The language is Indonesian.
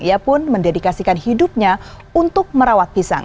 ia pun mendedikasikan hidupnya untuk merawat pisang